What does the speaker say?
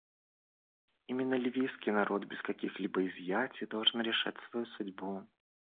Именно ливийский народ, без каких-либо изъятий, должен решать свою судьбу.